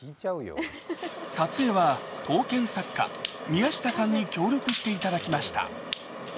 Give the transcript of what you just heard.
撮影は刀剣作家、宮下さんに協力していただきました。